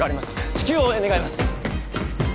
至急応援願います